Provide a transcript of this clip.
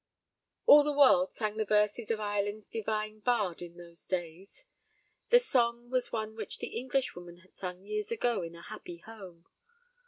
All the world sang the verses of Ireland's divine bard in those days. The song was one which the Englishwoman had sung years ago in a happy home.